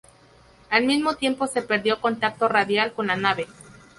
Al mismo tiempo se perdió contacto radial con la nave.